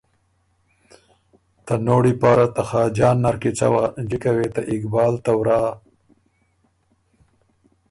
ته نوړی پاره ته خاجان نر کی څوا جِکه وې ته اقبال ته ورا